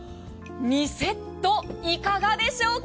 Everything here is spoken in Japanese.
２セットいかがでしょうか？